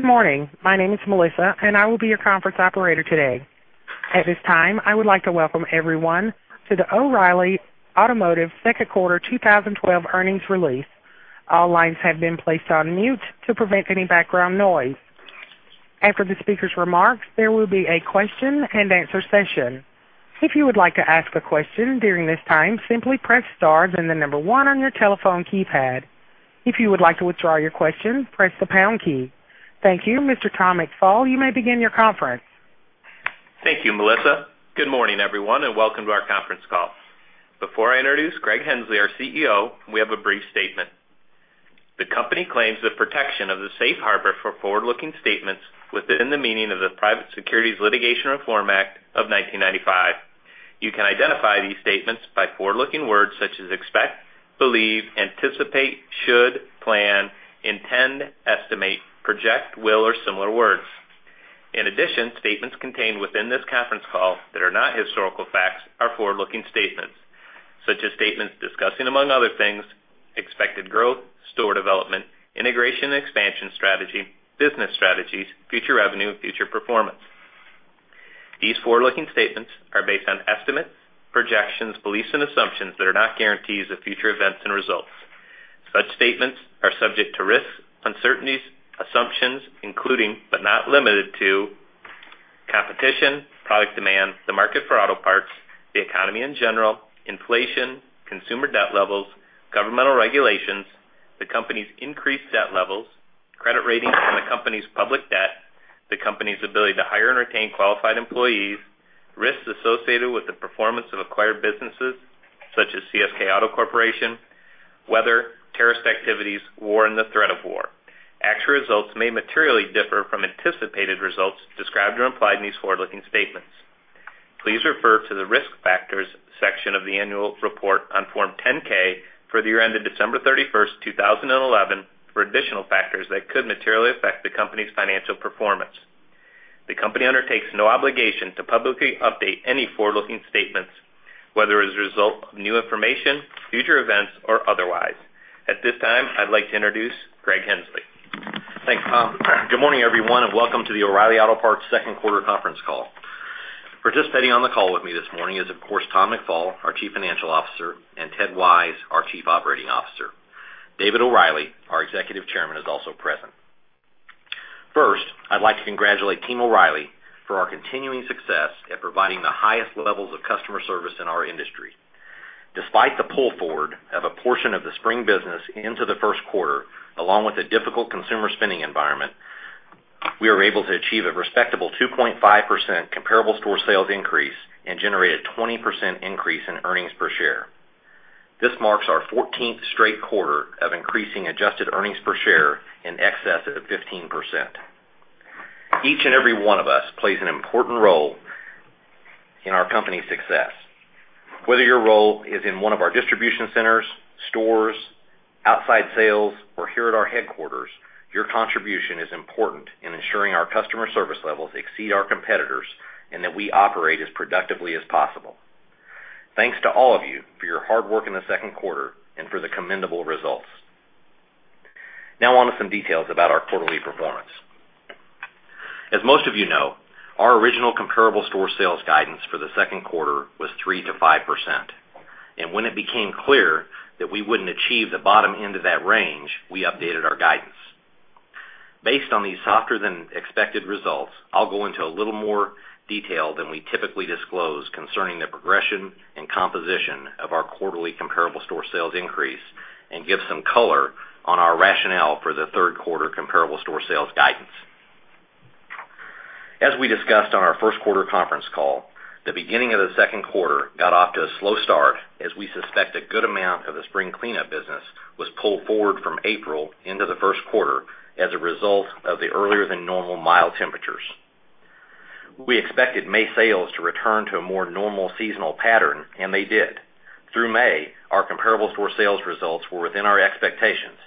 Good morning. My name is Melissa, and I will be your conference operator today. At this time, I would like to welcome everyone to the O’Reilly Automotive second quarter 2012 earnings release. All lines have been placed on mute to prevent any background noise. After the speaker's remarks, there will be a question and answer session. If you would like to ask a question during this time, simply press star then the number one on your telephone keypad. If you would like to withdraw your question, press the pound key. Thank you. Mr. Tom McFall, you may begin your conference. Thank you, Melissa. Good morning, everyone. Welcome to our conference call. Before I introduce Greg Henslee, our CEO, we have a brief statement. The company claims the protection of the safe harbor for forward-looking statements within the meaning of the Private Securities Litigation Reform Act of 1995. You can identify these statements by forward-looking words such as expect, believe, anticipate, should, plan, intend, estimate, project, will, or similar words. In addition, statements contained within this conference call that are not historical facts are forward-looking statements, such as statements discussing, among other things, expected growth, store development, integration and expansion strategy, business strategies, future revenue, future performance. These forward-looking statements are based on estimates, projections, beliefs, and assumptions that are not guarantees of future events and results. Such statements are subject to risks, uncertainties, assumptions, including, but not limited to, competition, product demand, the market for auto parts, the economy in general, inflation, consumer debt levels, governmental regulations, the company's increased debt levels, credit ratings on the company's public debt, the company's ability to hire and retain qualified employees, risks associated with the performance of acquired businesses such as CSK Auto Corporation, weather, terrorist activities, war, and the threat of war. Actual results may materially differ from anticipated results described or implied in these forward-looking statements. Please refer to the Risk Factors section of the annual report on Form 10-K for the year ended December 31st, 2011 for additional factors that could materially affect the company's financial performance. The company undertakes no obligation to publicly update any forward-looking statements, whether as a result of new information, future events, or otherwise. At this time, I'd like to introduce Greg Henslee. Thanks, Tom. Good morning, everyone, and welcome to the O’Reilly Auto Parts second quarter conference call. Participating on the call with me this morning is, of course, Tom McFall, our Chief Financial Officer, and Ted Wise, our Chief Operating Officer. David O’Reilly, our Executive Chairman, is also present. First, I'd like to congratulate Team O’Reilly for our continuing success at providing the highest levels of customer service in our industry. Despite the pull forward of a portion of the spring business into the first quarter, along with a difficult consumer spending environment, we are able to achieve a respectable 2.5% comparable store sales increase and generate a 20% increase in earnings per share. This marks our 14th straight quarter of increasing adjusted earnings per share in excess of 15%. Each and every one of us plays an important role in our company's success. On to some details about our quarterly performance. As most of you know, our original comparable store sales guidance for the second quarter was 3%-5%. When it became clear that we wouldn't achieve the bottom end of that range, we updated our guidance. Based on these softer than expected results, I'll go into a little more detail than we typically disclose concerning the progression and composition of our quarterly comparable store sales increase and give some color on our rationale for the third quarter comparable store sales guidance. As we discussed on our first quarter conference call, the beginning of the second quarter got off to a slow start as we suspect a good amount of the spring cleanup business was pulled forward from April into the first quarter as a result of the earlier than normal mild temperatures. We expected May sales to return to a more normal seasonal pattern, and they did. Through May, our comparable store sales results were within our expectations.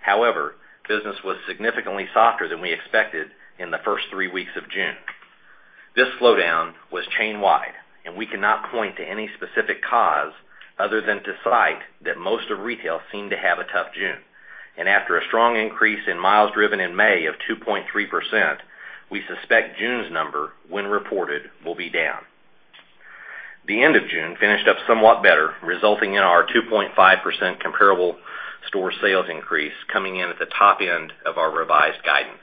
However, business was significantly softer than we expected in the first three weeks of June. This slowdown was chain-wide, and we cannot point to any specific cause other than to cite that most of retail seemed to have a tough June. After a strong increase in miles driven in May of 2.3%, we suspect June's number, when reported, will be down. The end of June finished up somewhat better, resulting in our 2.5% comparable store sales increase coming in at the top end of our revised guidance.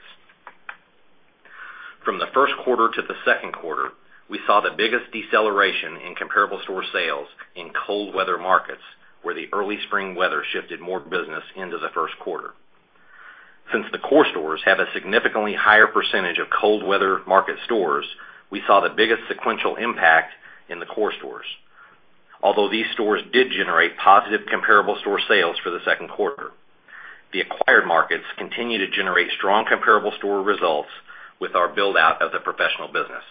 From the first quarter to the second quarter, we saw the biggest deceleration in comparable store sales in cold weather markets, where the early spring weather shifted more business into the first quarter. Since the core stores have a significantly higher percentage of cold weather market stores, we saw the biggest sequential impact in the core stores. Although these stores did generate positive comparable store sales for the second quarter. The acquired markets continue to generate strong comparable store results with our build-out of the professional business.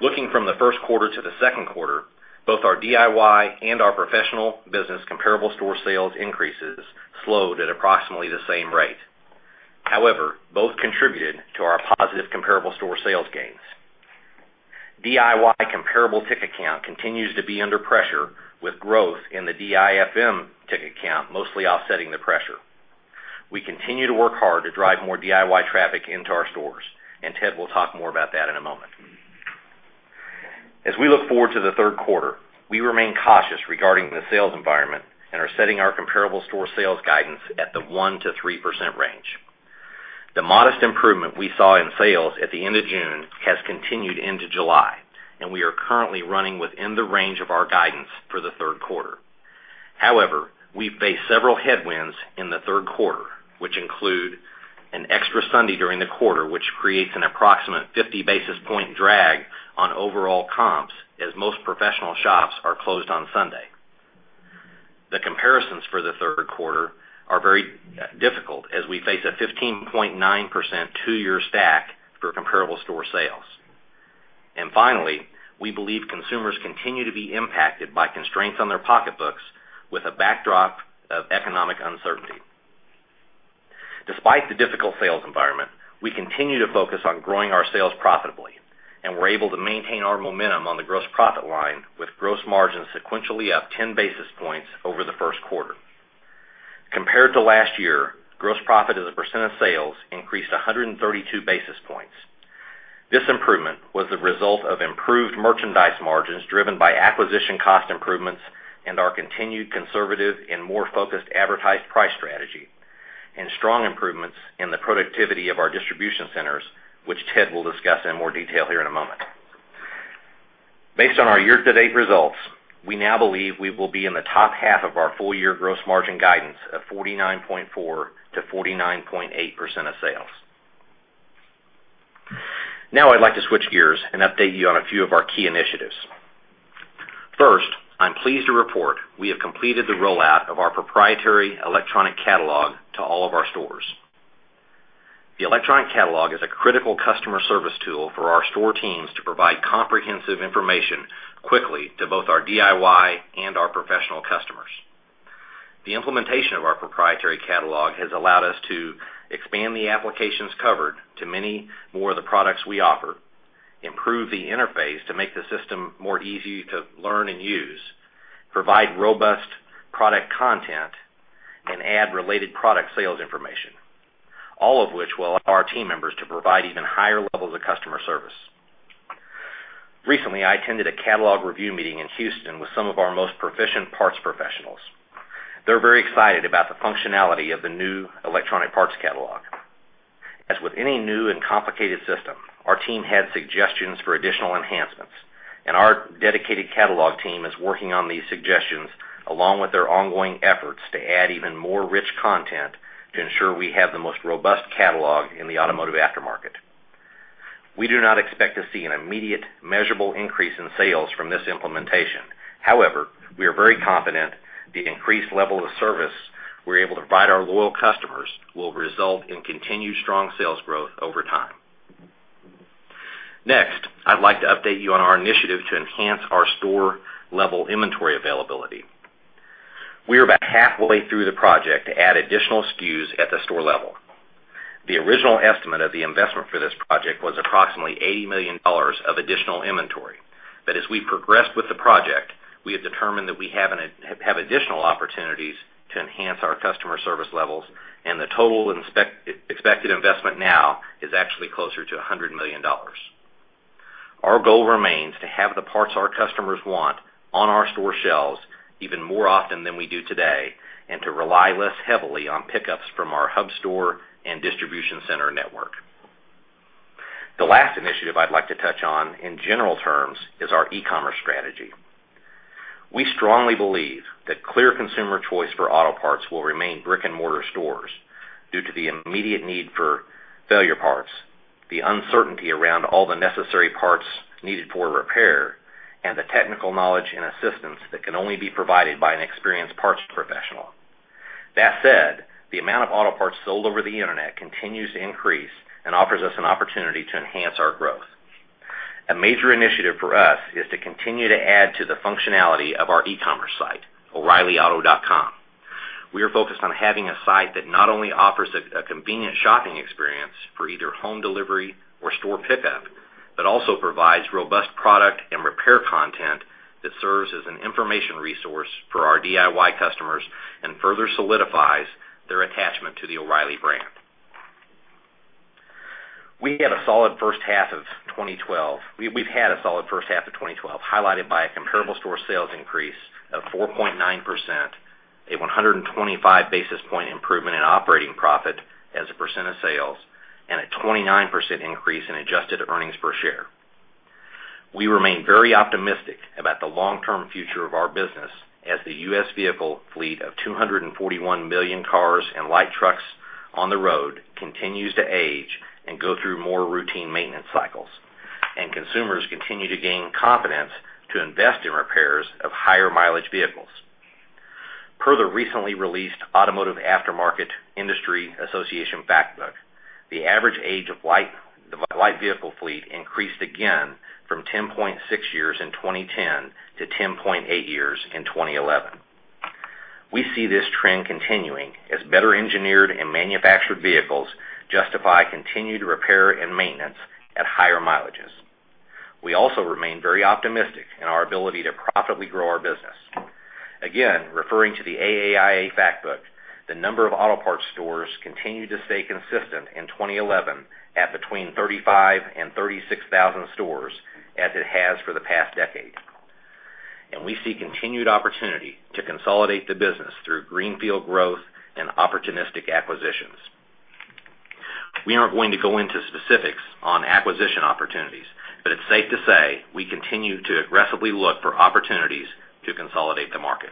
Looking from the first quarter to the second quarter, both our DIY and our professional business comparable store sales increases slowed at approximately the same rate. However, both contributed to our positive comparable store sales gains. DIY comparable ticket count continues to be under pressure, with growth in the DIFM ticket count mostly offsetting the pressure. We continue to work hard to drive more DIY traffic into our stores, and Ted will talk more about that in a moment. As we look forward to the third quarter, we remain cautious regarding the sales environment and are setting our comparable store sales guidance at the 1% to 3% range. The modest improvement we saw in sales at the end of June has continued into July, and we are currently running within the range of our guidance for the third quarter. However, we face several headwinds in the third quarter, which include an extra Sunday during the quarter, which creates an approximate 50 basis point drag on overall comps, as most professional shops are closed on Sunday. The comparisons for the third quarter are very difficult as we face a 15.9% two-year stack for comparable store sales. Finally, we believe consumers continue to be impacted by constraints on their pocketbooks with a backdrop of economic uncertainty. Despite the difficult sales environment, we continue to focus on growing our sales profitably, and we're able to maintain our momentum on the gross profit line with gross margins sequentially up 10 basis points over the first quarter. Compared to last year, gross profit as a percent of sales increased 132 basis points. This improvement was the result of improved merchandise margins driven by acquisition cost improvements and our continued conservative and more focused advertised price strategy, and strong improvements in the productivity of our distribution centers, which Ted will discuss in more detail here in a moment. Based on our year-to-date results, we now believe we will be in the top half of our full-year gross margin guidance of 49.4% to 49.8% of sales. Now I'd like to switch gears and update you on a few of our key initiatives. First, I'm pleased to report we have completed the rollout of our proprietary electronic catalog to all of our stores. The electronic catalog is a critical customer service tool for our store teams to provide comprehensive information quickly to both our DIY and our professional customers. The implementation of our proprietary catalog has allowed us to expand the applications covered to many more of the products we offer, improve the interface to make the system more easy to learn and use, provide robust product content, and add related product sales information, all of which will allow our team members to provide even higher levels of customer service. Recently, I attended a catalog review meeting in Houston with some of our most proficient parts professionals. They're very excited about the functionality of the new electronic parts catalog. As with any new and complicated system, our team had suggestions for additional enhancements, and our dedicated catalog team is working on these suggestions, along with their ongoing efforts to add even more rich content to ensure we have the most robust catalog in the automotive aftermarket. We do not expect to see an immediate measurable increase in sales from this implementation. However, we are very confident the increased level of service we're able to provide our loyal customers will result in continued strong sales growth over time. Next, I'd like to update you on our initiative to enhance our store-level inventory availability. We are about halfway through the project to add additional SKUs at the store level. The original estimate of the investment for this project was approximately $80 million of additional inventory. As we progressed with the project, we have determined that we have additional opportunities to enhance our customer service levels, and the total expected investment now is actually closer to $100 million. Our goal remains to have the parts our customers want on our store shelves even more often than we do today and to rely less heavily on pickups from our hub store and distribution center network. The last initiative I'd like to touch on, in general terms, is our e-commerce strategy. We strongly believe that clear consumer choice for auto parts will remain brick-and-mortar stores due to the immediate need for failure parts, the uncertainty around all the necessary parts needed for a repair, and the technical knowledge and assistance that can only be provided by an experienced parts professional. That said, the amount of auto parts sold over the internet continues to increase and offers us an opportunity to enhance our growth. A major initiative for us is to continue to add to the functionality of our e-commerce site, OReillyAuto.com. We are focused on having a site that not only offers a convenient shopping experience for either home delivery or store pickup, but also provides robust product and repair content that serves as an information resource for our DIY customers and further solidifies their attachment to the O'Reilly brand. We've had a solid first half of 2012, highlighted by a comparable store sales increase of 4.9%, a 125 basis point improvement in operating profit as a percent of sales, and a 29% increase in adjusted earnings per share. We remain very optimistic about the long-term future of our business as the U.S. vehicle fleet of 241 million cars and light trucks on the road continues to age and go through more routine maintenance cycles, and consumers continue to gain confidence to invest in repairs of higher mileage vehicles. Per the recently released Automotive Aftermarket Industry Association Factbook, the average age of the light vehicle fleet increased again from 10.6 years in 2010 to 10.8 years in 2011. We see this trend continuing as better engineered and manufactured vehicles justify continued repair and maintenance at higher mileages. We also remain very optimistic in our ability to profitably grow our business. Again, referring to the AAIA Factbook, the number of auto parts stores continued to stay consistent in 2011 at between 35,000 and 36,000 stores as it has for the past decade. We see continued opportunity to consolidate the business through greenfield growth and opportunistic acquisitions. We aren't going to go into specifics on acquisition opportunities, but it's safe to say we continue to aggressively look for opportunities to consolidate the market.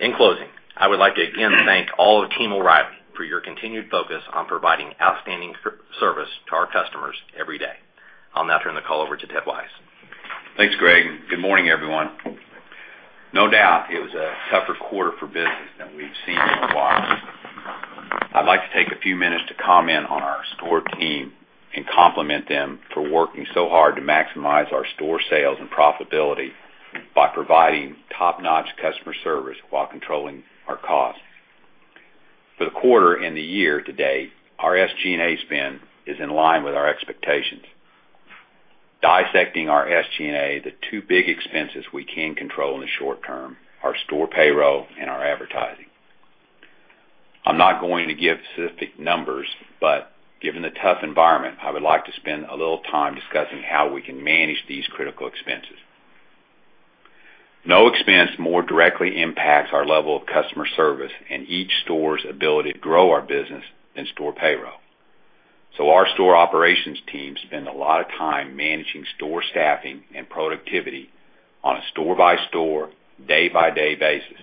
In closing, I would like to again thank all of team O’Reilly for your continued focus on providing outstanding service to our customers every day. I'll now turn the call over to Ted Wise. Thanks, Greg, and good morning, everyone. No doubt it was a tougher quarter for business than we've seen in a while. I'd like to take a few minutes to comment on our store team and compliment them for working so hard to maximize our store sales and profitability by providing top-notch customer service while controlling our costs. For the quarter and the year to date, our SG&A spend is in line with our expectations. Dissecting our SG&A, the two big expenses we can control in the short term are store payroll and our advertising. I'm not going to give specific numbers, but given the tough environment, I would like to spend a little time discussing how we can manage these critical expenses. No expense more directly impacts our level of customer service and each store's ability to grow our business than store payroll. Our store operations team spend a lot of time managing store staffing and productivity on a store-by-store, day-by-day basis.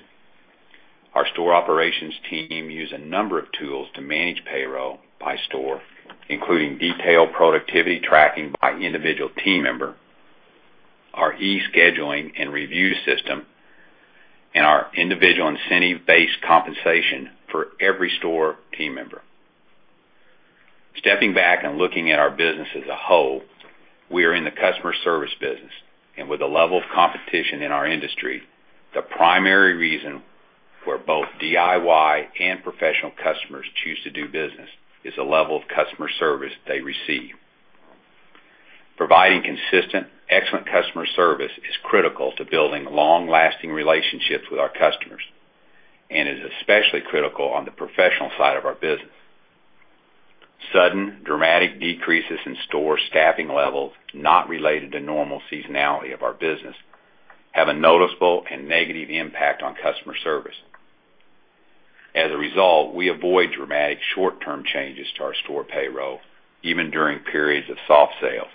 Our store operations team use a number of tools to manage payroll by store, including detailed productivity tracking by individual team member, our e-scheduling and review system, and our individual incentive-based compensation for every store team member. Stepping back and looking at our business as a whole, we are in the customer service business, and with the level of competition in our industry, the primary reason where both DIY and professional customers choose to do business is the level of customer service they receive. Providing consistent, excellent customer service is critical to building long-lasting relationships with our customers and is especially critical on the professional side of our business. Sudden dramatic decreases in store staffing levels, not related to normal seasonality of our business, have a noticeable and negative impact on customer service. As a result, we avoid dramatic short-term changes to our store payroll, even during periods of soft sales.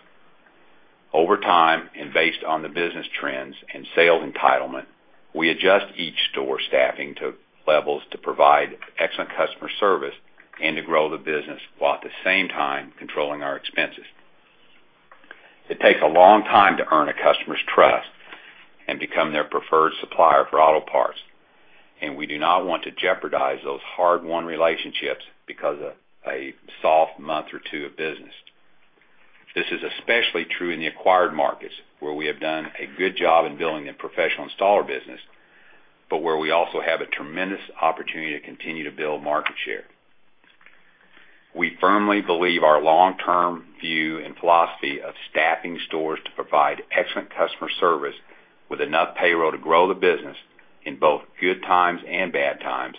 Over time, and based on the business trends and sales entitlement, we adjust each store staffing to levels to provide excellent customer service and to grow the business while at the same time controlling our expenses. It takes a long time to earn a customer's trust and become their preferred supplier for auto parts, and we do not want to jeopardize those hard-won relationships because of a soft month or two of business. This is especially true in the acquired markets, where we have done a good job in building a professional installer business, but where we also have a tremendous opportunity to continue to build market share. We firmly believe our long-term view and philosophy of staffing stores to provide excellent customer service with enough payroll to grow the business in both good times and bad times,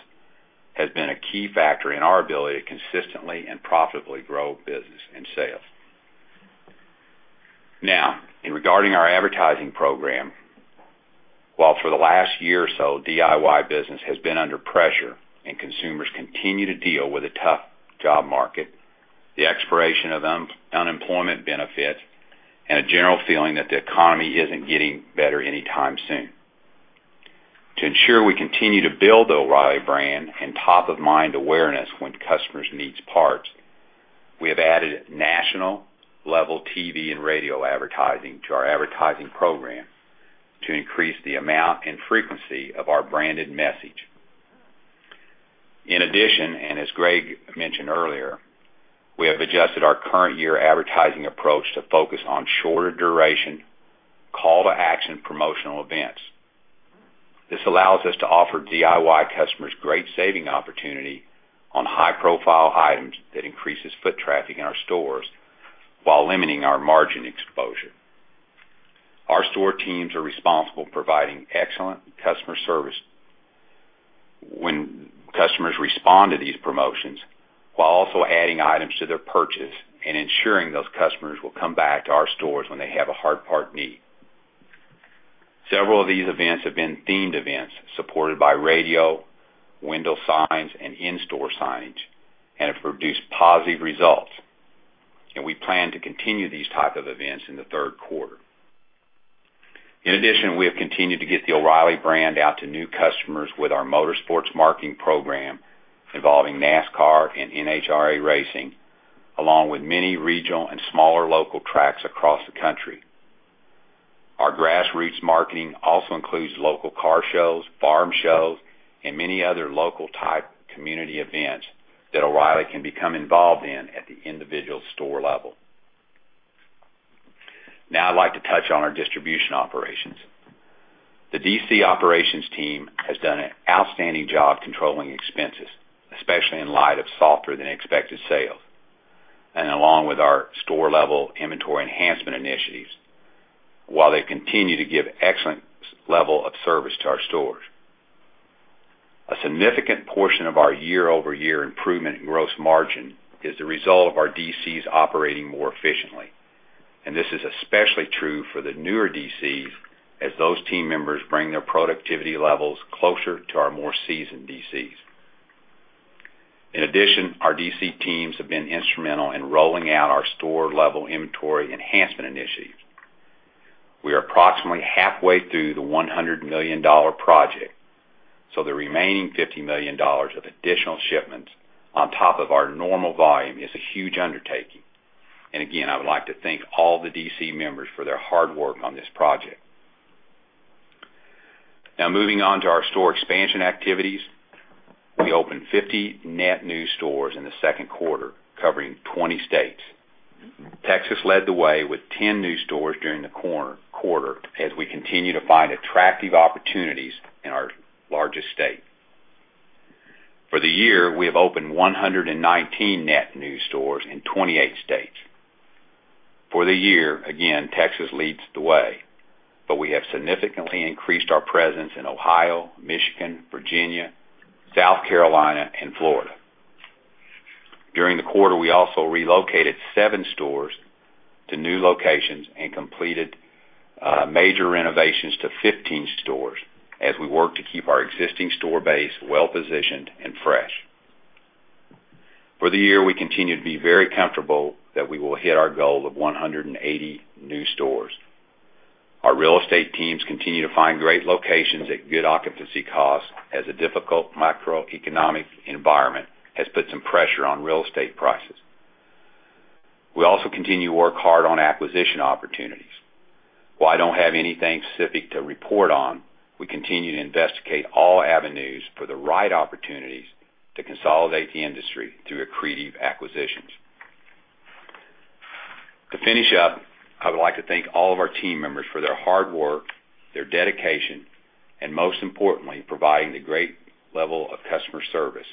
has been a key factor in our ability to consistently and profitably grow business and sales. In regarding our advertising program. While for the last year or so, DIY business has been under pressure and consumers continue to deal with a tough job market, the expiration of unemployment benefits, and a general feeling that the economy isn't getting better anytime soon. To ensure we continue to build the O'Reilly brand and top-of-mind awareness when customers need parts, we have added national level TV and radio advertising to our advertising program to increase the amount and frequency of our branded message. As Greg mentioned earlier, we have adjusted our current year advertising approach to focus on shorter duration, call-to-action promotional events. This allows us to offer DIY customers great saving opportunity on high-profile items that increases foot traffic in our stores while limiting our margin exposure. Our store teams are responsible for providing excellent customer service when customers respond to these promotions, while also adding items to their purchase and ensuring those customers will come back to our stores when they have a hard part need. Several of these events have been themed events supported by radio, window signs, and in-store signage and have produced positive results. We plan to continue these type of events in the third quarter. In addition, we have continued to get the O’Reilly brand out to new customers with our motorsports marketing program involving NASCAR and NHRA racing, along with many regional and smaller local tracks across the country. Our grassroots marketing also includes local car shows, farm shows, and many other local type community events that O’Reilly can become involved in at the individual store level. Now I'd like to touch on our distribution operations. The DC operations team has done an outstanding job controlling expenses, especially in light of softer than expected sales, along with our store-level inventory enhancement initiatives, while they continue to give excellent level of service to our stores. A significant portion of our year-over-year improvement in gross margin is the result of our DCs operating more efficiently. This is especially true for the newer DCs as those team members bring their productivity levels closer to our more seasoned DCs. In addition, our DC teams have been instrumental in rolling out our store-level inventory enhancement initiatives. We are approximately halfway through the $100 million project, so the remaining $50 million of additional shipments on top of our normal volume is a huge undertaking. Again, I would like to thank all the DC members for their hard work on this project. Now moving on to our store expansion activities. We opened 50 net new stores in the second quarter, covering 20 states. Texas led the way with 10 new stores during the quarter, as we continue to find attractive opportunities in our largest state. For the year, we have opened 119 net new stores in 28 states. For the year, again, Texas leads the way. We have significantly increased our presence in Ohio, Michigan, Virginia, South Carolina, and Florida. During the quarter, we also relocated seven stores to new locations and completed major renovations to 15 stores as we work to keep our existing store base well-positioned and fresh. For the year, we continue to be very comfortable that we will hit our goal of 180 new stores. Our real estate teams continue to find great locations at good occupancy costs as a difficult macroeconomic environment has put some pressure on real estate prices. We also continue to work hard on acquisition opportunities. While I don't have anything specific to report on, we continue to investigate all avenues for the right opportunities to consolidate the industry through accretive acquisitions. To finish up, I would like to thank all of our team members for their hard work, their dedication, and most importantly, providing the great level of customer service.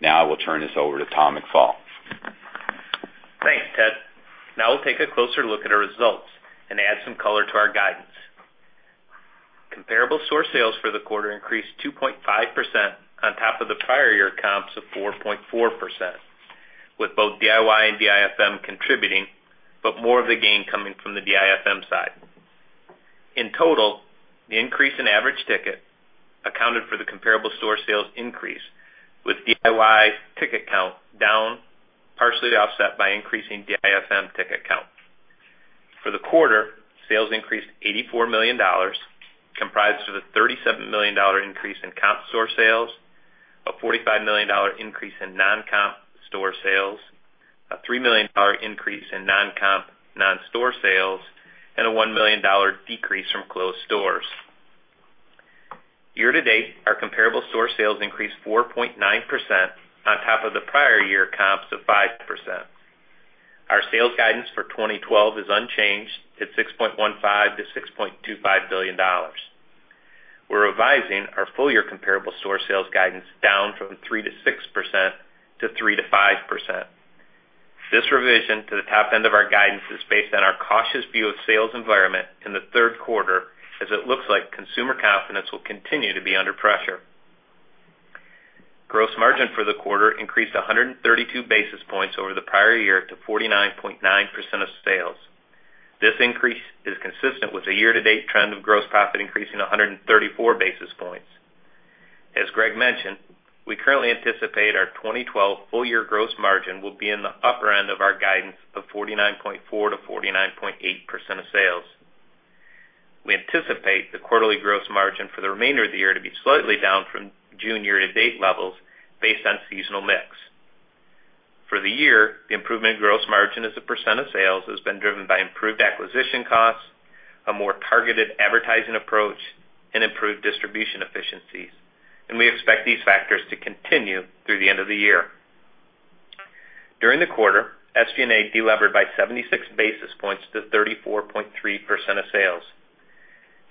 Now I will turn this over to Tom McFall. Thanks, Ted. Now we'll take a closer look at our results and add some color to our guidance. Comparable store sales for the quarter increased 2.5% on top of the prior year comps of 4.4%, with both DIY and DIFM contributing. More of the gain coming from the DIFM side. In total, the increase in average ticket accounted for the comparable store sales increase, with DIY ticket count down, partially offset by increasing DIFM ticket count. For the quarter, sales increased $84 million, comprised of a $37 million increase in comp store sales, a $45 million increase in non-comp store sales, a $3 million increase in non-comp non-store sales, and a $1 million decrease from closed stores. Year-to-date, our comparable store sales increased 4.9% on top of the prior year comps of 5%. Our sales guidance for 2012 is unchanged at $6.15 billion-$6.25 billion. We're revising our full-year comparable store sales guidance down from 3%-6% to 3%-5%. This revision to the top end of our guidance is based on our cautious view of sales environment in the third quarter, as it looks like consumer confidence will continue to be under pressure. Gross margin for the quarter increased 132 basis points over the prior year to 49.9% of sales. This increase is consistent with the year-to-date trend of gross profit increasing 134 basis points. As Greg mentioned, we currently anticipate our 2012 full-year gross margin will be in the upper end of our guidance of 49.4%-49.8% of sales. We anticipate the quarterly gross margin for the remainder of the year to be slightly down from June year-to-date levels based on seasonal mix. For the year, the improvement in gross margin as a percent of sales has been driven by improved acquisition costs, a more targeted advertising approach, and improved distribution efficiencies. We expect these factors to continue through the end of the year. During the quarter, SG&A delevered by 76 basis points to 34.3% of sales.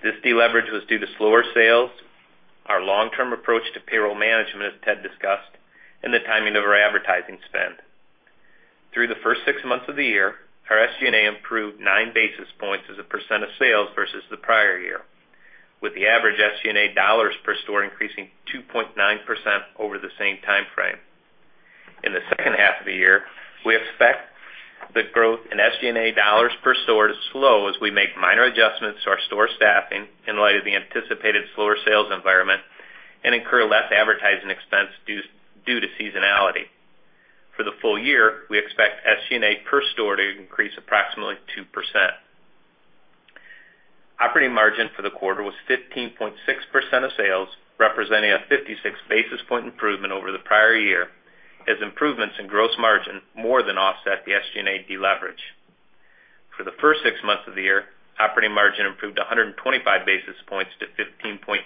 This deleverage was due to slower sales, our long-term approach to payroll management, as Ted discussed, and the timing of our advertising spend. Through the first six months of the year, our SG&A improved nine basis points as a percent of sales versus the prior year, with the average SG&A dollars per store increasing 2.9% over the same time frame. In the second half of the year, we expect the growth in SG&A dollars per store to slow as we make minor adjustments to our store staffing in light of the anticipated slower sales environment and incur less advertising expense due to seasonality. For the full year, we expect SG&A per store to increase approximately 2%. Operating margin for the quarter was 15.6% of sales, representing a 56 basis point improvement over the prior year as improvements in gross margin more than offset the SG&A deleverage. For the first six months of the year, operating margin improved 125 basis points to 15.9%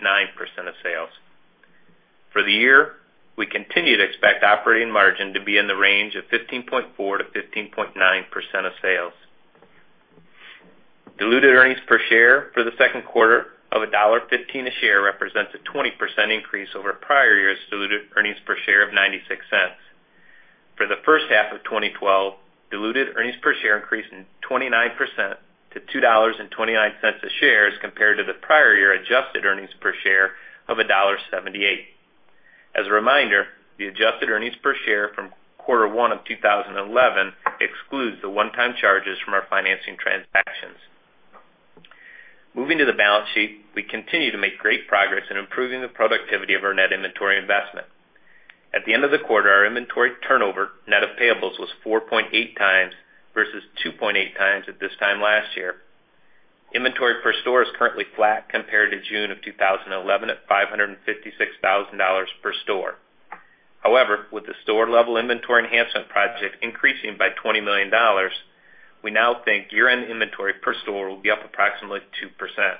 of sales. For the year, we continue to expect operating margin to be in the range of 15.4%-15.9% of sales. Diluted earnings per share for the second quarter of $1.15 a share represents a 20% increase over prior year's diluted earnings per share of $0.96. For the first half of 2012, diluted earnings per share increased 29% to $2.29 a share as compared to the prior year adjusted earnings per share of $1.78. As a reminder, the adjusted earnings per share from quarter one of 2011 excludes the one-time charges from our financing transactions. Moving to the balance sheet, we continue to make great progress in improving the productivity of our net inventory investment. At the end of the quarter, our inventory turnover net of payables was 4.8 times versus 2.8 times at this time last year. Inventory per store is currently flat compared to June of 2011 at $556,000 per store. However, with the store-level inventory enhancement project increasing by $20 million, we now think year-end inventory per store will be up approximately 2%.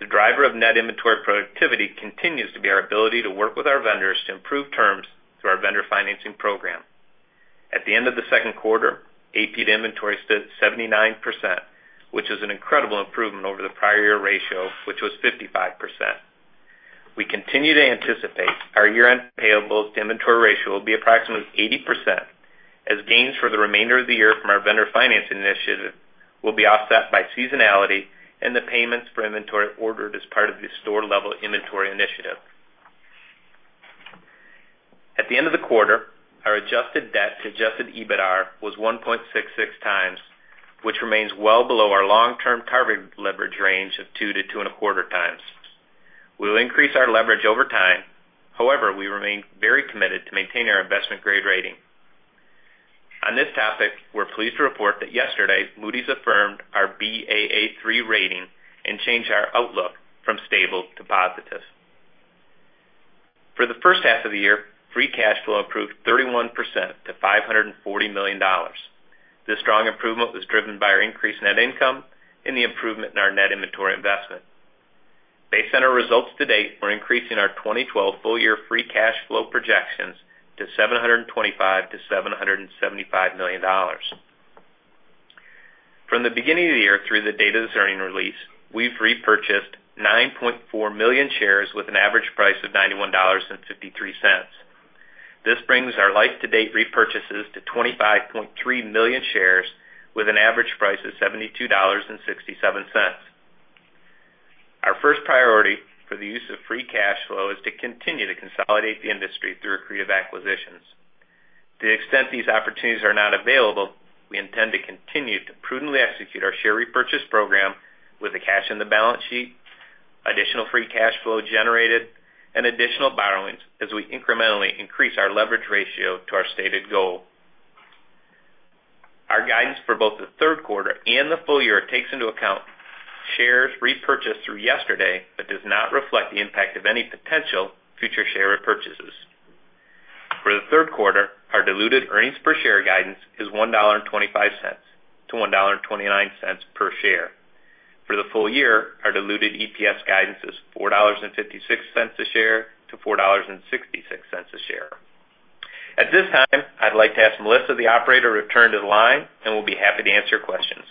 The driver of net inventory productivity continues to be our ability to work with our vendors to improve terms through our vendor financing program. At the end of the second quarter, AP to inventory stood at 79%, which is an incredible improvement over the prior year ratio, which was 55%. We continue to anticipate our year-end payables to inventory ratio will be approximately 80%, as gains for the remainder of the year from our vendor financing initiative will be offset by seasonality and the payments for inventory ordered as part of the store-level inventory initiative. At the end of the quarter, our adjusted debt to adjusted EBITDAR was 1.66 times, which remains well below our long-term targeted leverage range of 2 to 2.25 times. We will increase our leverage over time. We remain very committed to maintaining our investment-grade rating. On this topic, we're pleased to report that yesterday, Moody's affirmed our Baa3 rating and changed our outlook from stable to positive. For the first half of the year, free cash flow improved 31% to $540 million. This strong improvement was driven by our increased net income and the improvement in our net inventory investment. Based on our results to date, we're increasing our 2012 full-year free cash flow projections to $725 million-$775 million. From the beginning of the year through the date of this earning release, we've repurchased 9.4 million shares with an average price of $91.53. This brings our life-to-date repurchases to 25.3 million shares with an average price of $72.67. Our first priority for the use of free cash flow is to continue to consolidate the industry through accretive acquisitions. To the extent these opportunities are not available, we intend to continue to prudently execute our share repurchase program with the cash in the balance sheet, additional free cash flow generated, and additional borrowings as we incrementally increase our leverage ratio to our stated goal. Our guidance for both the third quarter and the full year takes into account shares repurchased through yesterday but does not reflect the impact of any potential future share repurchases. For the third quarter, our diluted EPS guidance is $1.25-$1.29 per share. For the full year, our diluted EPS guidance is $4.56-$4.66 a share. At this time, I'd like to ask Melissa, the operator, to return to the line, and we'll be happy to answer your questions.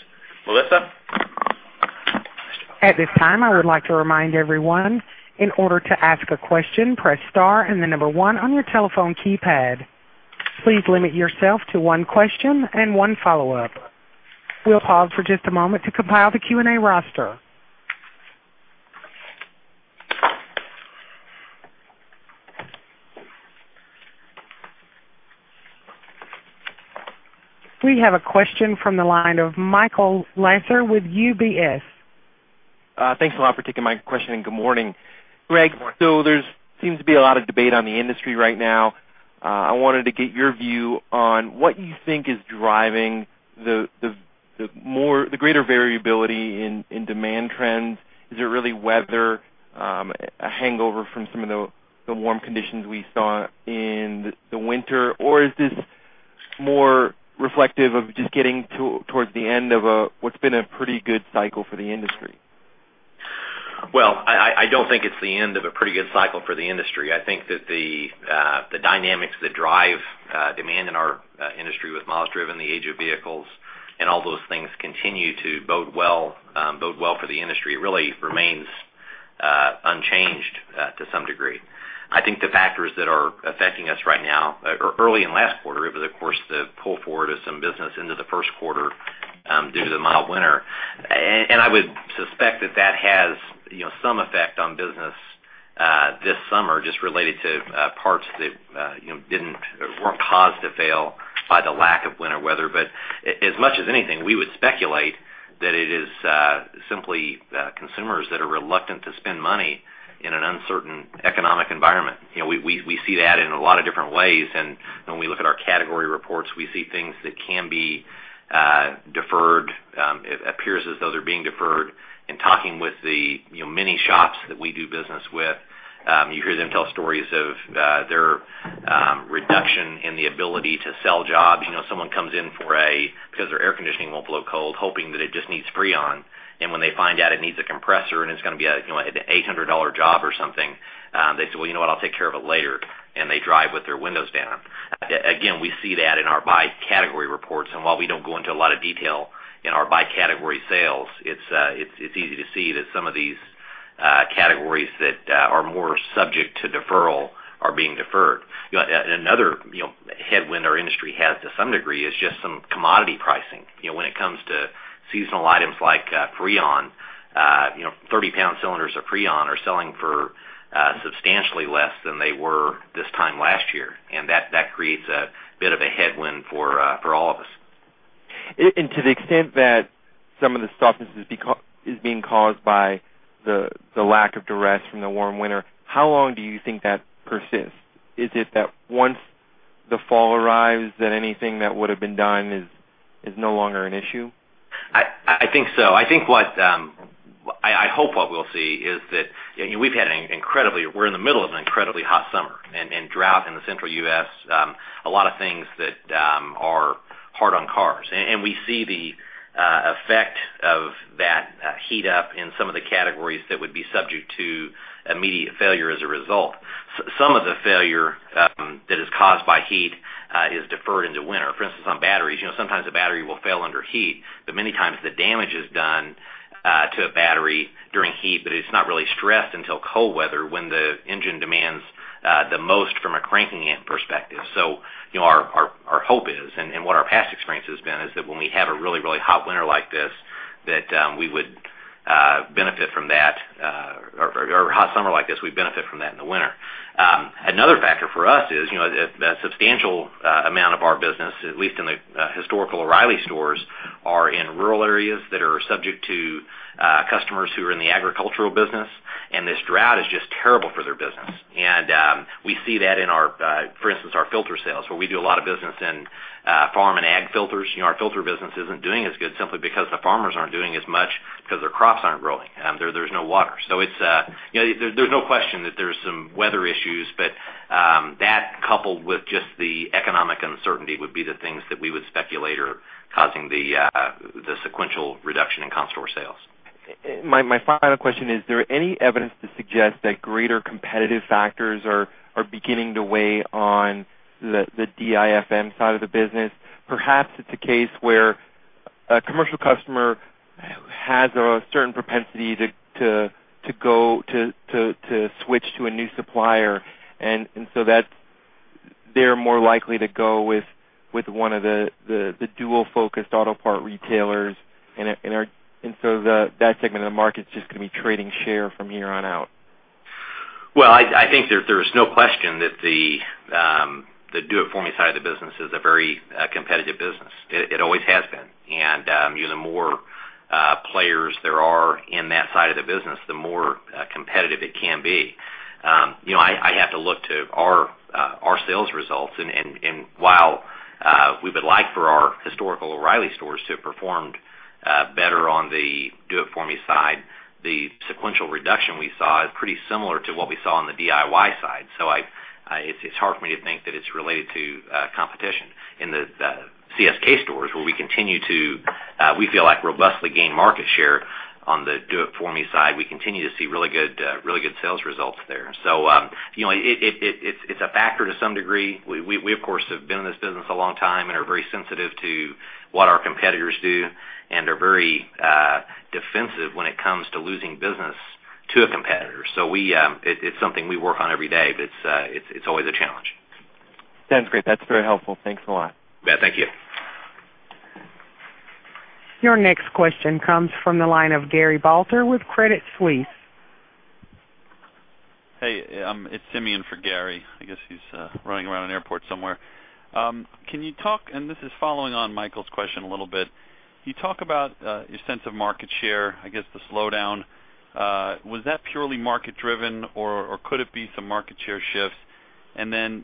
Melissa? At this time, I would like to remind everyone, in order to ask a question, press star and the number one on your telephone keypad. Please limit yourself to one question and one follow-up. We'll pause for just a moment to compile the Q&A roster. We have a question from the line of Michael Lasser with UBS. Thanks a lot for taking my question. Good morning. Good morning. Greg, there seems to be a lot of debate on the industry right now. I wanted to get your view on what you think is driving the greater variability in demand trends. Is it really weather, a hangover from some of the warm conditions we saw in the winter, or is this more reflective of just getting towards the end of what's been a pretty good cycle for the industry? Well, I don't think it's the end of a pretty good cycle for the industry. I think that the dynamics that drive demand in our industry with miles driven, the age of vehicles, and all those things continue to bode well for the industry. It really remains unchanged to some degree. I think the factors that are affecting us right now, or early in last quarter, it was, of course, the pull forward of some business into the first quarter due to the mild winter. I would suspect that that has some effect on business this summer, just related to parts that weren't caused to fail by the lack of winter weather. As much as anything, we would speculate that it is simply consumers that are reluctant to spend money in an uncertain economic environment. We see that in a lot of different ways, when we look at our category reports, we see things that can be deferred. It appears as though they're being deferred. In talking with the mini shops that we do business with, you hear them tell stories of their Reduction in the ability to sell jobs. Someone comes in because their air conditioning won't blow cold, hoping that it just needs Freon, when they find out it needs a compressor and it's going to be an $800 job or something, they say, "Well, you know what? I'll take care of it later," they drive with their windows down. Again, we see that in our by-category reports. While we don't go into a lot of detail in our by-category sales, it's easy to see that some of these categories that are more subject to deferral are being deferred. Another headwind our industry has to some degree is just some commodity pricing. When it comes to seasonal items like Freon, 30-pound cylinders of Freon are selling for substantially less than they were this time last year. That creates a bit of a headwind for all of us. To the extent that some of the softness is being caused by the lack of duress from the warm winter, how long do you think that persists? Is it that once the fall arrives, anything that would have been done is no longer an issue? I think so. I hope what we'll see is that. We're in the middle of an incredibly hot summer, and drought in the central U.S., a lot of things that are hard on cars. We see the effect of that heat up in some of the categories that would be subject to immediate failure as a result. Some of the failure that is caused by heat is deferred into winter. For instance, on batteries, sometimes a battery will fail under heat, but many times the damage is done to a battery during heat, but it's not really stressed until cold weather when the engine demands the most from a cranking perspective. Our hope is, and what our past experience has been, is that when we have a really hot winter like this, that we would benefit from that, or a hot summer like this, we benefit from that in the winter. Another factor for us is, a substantial amount of our business, at least in the historical O'Reilly stores, are in rural areas that are subject to customers who are in the agricultural business, and this drought is just terrible for their business. We see that in, for instance, our filter sales, where we do a lot of business in farm and ag filters. Our filter business isn't doing as good simply because the farmers aren't doing as much because their crops aren't growing. There's no water. There's no question that there's some weather issues, that coupled with just the economic uncertainty would be the things that we would speculate are causing the sequential reduction in comp store sales. My final question, is there any evidence to suggest that greater competitive factors are beginning to weigh on the DIFM side of the business? Perhaps it's a case where a commercial customer has a certain propensity to switch to a new supplier. They're more likely to go with one of the dual-focused auto part retailers. That segment of the market is just going to be trading share from here on out. Well, I think there's no question that the do it for me side of the business is a very competitive business. It always has been. The more players there are in that side of the business, the more competitive it can be. I have to look to our sales results, and while we would like for our historical O'Reilly stores to have performed better on the do it for me side, the sequential reduction we saw is pretty similar to what we saw on the DIY side. It's hard for me to think that it's related to competition. In the CSK stores, where we feel like robustly gain market share on the do it for me side. We continue to see really good sales results there. It's a factor to some degree. We, of course, have been in this business a long time and are very sensitive to what our competitors do and are very defensive when it comes to losing business to a competitor. It's something we work on every day, but it's always a challenge. Sounds great. That's very helpful. Thanks a lot. Yeah, thank you. Your next question comes from the line of Gary Balter with Credit Suisse. Hey, it's Simeon for Gary. I guess he's running around an airport somewhere. This is following on Michael's question a little bit. Can you talk about your sense of market share, I guess the slowdown? Was that purely market-driven or could it be some market share shifts? Then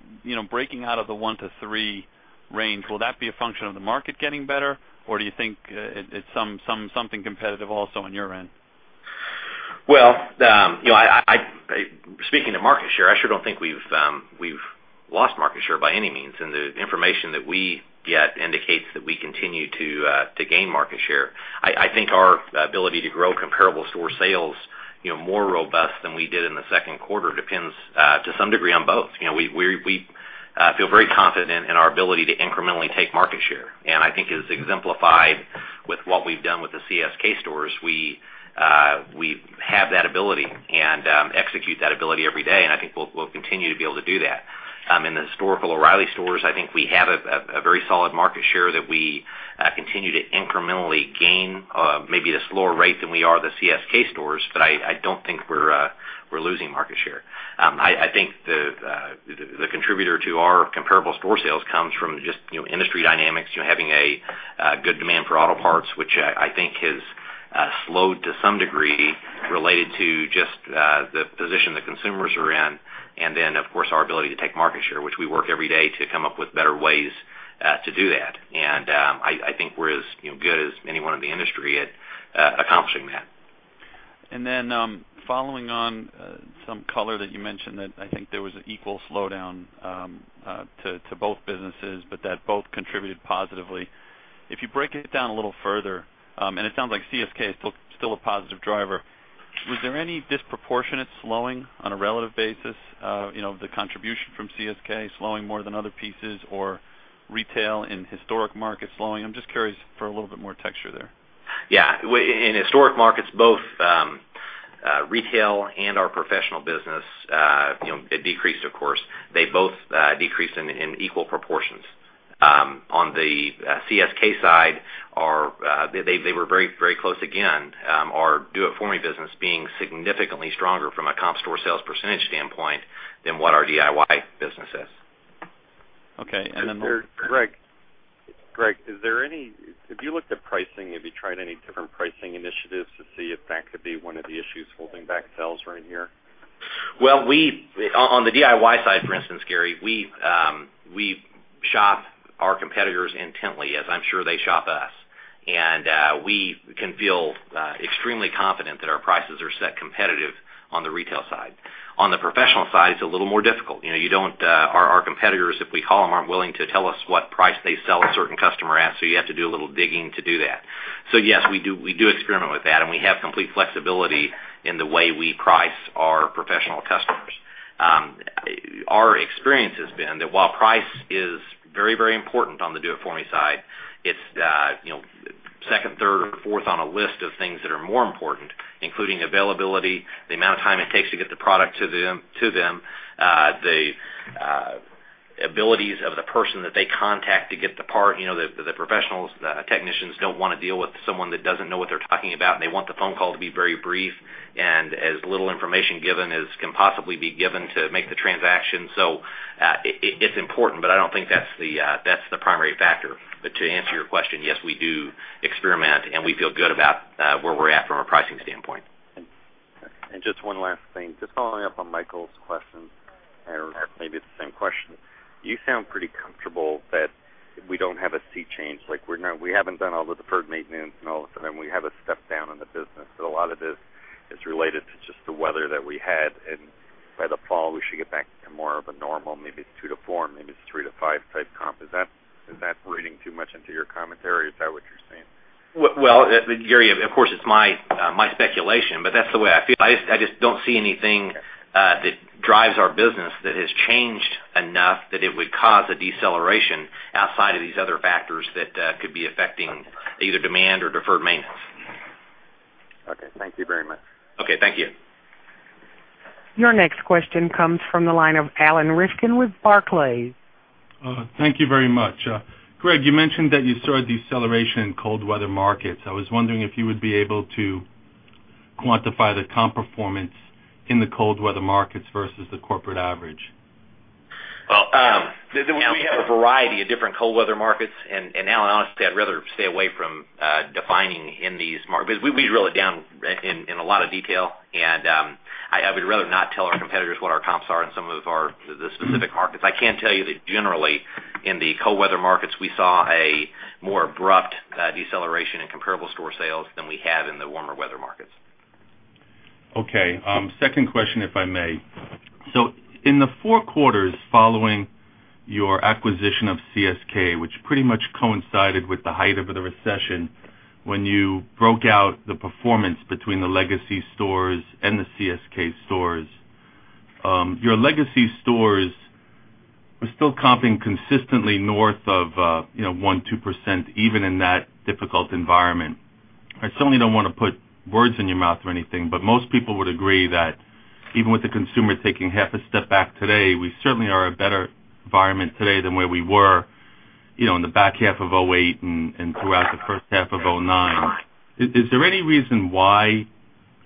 breaking out of the one to three range, will that be a function of the market getting better, or do you think it's something competitive also on your end? Well, speaking of market share, I sure don't think we've lost market share by any means, and the information that we get indicates that we continue to gain market share. I think our ability to grow comparable store sales more robust than we did in the second quarter depends to some degree on both. We feel very confident in our ability to incrementally take market share. I think as exemplified with what we've done with the CSK stores, we have that ability and execute that ability every day, and I think we'll continue to be able to do that. In the historical O'Reilly stores, I think we have a very solid market share that we continue to incrementally gain, maybe at a slower rate than we are the CSK stores, but I don't think we're losing market share. I think the contributor to our comparable store sales comes from just industry dynamics, having a good demand for auto parts, which I think has slowed to some degree related to just the position the consumers are in, and then, of course, our ability to take market share, which we work every day to come up with better ways to do that. I think we're as good as anyone in the industry at accomplishing that. Following on some color that you mentioned that I think there was an equal slowdown to both businesses, but that both contributed positively. If you break it down a little further, and it sounds like CSK is still a positive driver, was there any disproportionate slowing on a relative basis? The contribution from CSK slowing more than other pieces or retail in historic markets slowing? I'm just curious for a little bit more texture there. Yeah. In historic markets, both retail and our professional business, it decreased of course. They both decreased in equal proportions. On the CSK side, they were very close again. Our Do It For Me business being significantly stronger from a comp store sales % standpoint than what our DIY business is. Okay. Greg, have you looked at pricing? Have you tried any different pricing initiatives to see if that could be one of the issues holding back sales right here? Well, on the DIY side, for instance, Gary, we shop our competitors intently, as I'm sure they shop us. We can feel extremely confident that our prices are set competitive on the retail side. On the professional side, it's a little more difficult. Our competitors, if we call them, aren't willing to tell us what price they sell a certain customer at, you have to do a little digging to do that. Yes, we do experiment with that, and we have complete flexibility in the way we price our professional customers. Our experience has been that while price is very, very important on the Do It For Me side, it's second, third, or fourth on a list of things that are more important, including availability, the amount of time it takes to get the product to them, the abilities of the person that they contact to get the part. The professionals, the technicians don't want to deal with someone that doesn't know what they're talking about, and they want the phone call to be very brief and as little information given as can possibly be given to make the transaction. It's important, but I don't think that's the primary factor. To answer your question, yes, we do experiment, and we feel good about where we're at from a pricing standpoint. Just one last thing, just following up on Michael's questions, or maybe it's the same question. You sound pretty comfortable that we don't have a seat change. Like we haven't done all the deferred maintenance and all of a sudden, we have a step down in the business, but a lot of this is related to just the weather that we had, and by the fall, we should get back to more of a normal, maybe it's two to four, maybe it's three to five type comp. Is that reading too much into your commentary? Is that what you're saying? Well, Gary, of course, it's my speculation, but that's the way I feel. I just don't see anything that drives our business that has changed enough that it would cause a deceleration outside of these other factors that could be affecting either demand or deferred maintenance. Okay. Thank you very much. Okay. Thank you. Your next question comes from the line of Alan Rifkin with Barclays. Thank you very much. Greg, you mentioned that you saw a deceleration in cold weather markets. I was wondering if you would be able to quantify the comp performance in the cold weather markets versus the corporate average. Well, we have a variety of different cold weather markets, and Alan, honestly, I'd rather stay away from defining in these markets. We drill it down in a lot of detail, and I would rather not tell our competitors what our comps are in some of the specific markets. I can tell you that generally, in the cold weather markets, we saw a more abrupt deceleration in comparable store sales than we have in the warmer weather markets. Okay. Second question, if I may. In the four quarters following your acquisition of CSK, which pretty much coincided with the height of the recession, when you broke out the performance between the legacy stores and the CSK stores, your legacy stores were still comping consistently north of 1%, 2%, even in that difficult environment. I certainly don't want to put words in your mouth or anything, but most people would agree that even with the consumer taking half a step back today, we certainly are a better environment today than where we were in the back half of 2008 and throughout the first half of 2009. Is there any reason why